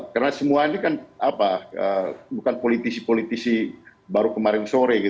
karena semua ini kan bukan politisi politisi baru kemarin sore